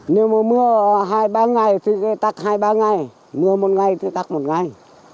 nếu mưa hai ba ngày thì tắt hai ba ngày mưa một ngày thì tắt một ngày